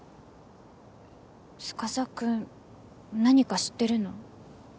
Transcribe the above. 司くん何か知ってるの？